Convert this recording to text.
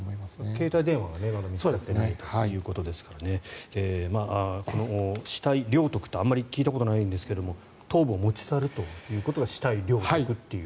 携帯電話はまだ見つかっていないということですがこの死体領得ってあまり聞いたことないですが頭部を持ち去るということが死体領得と。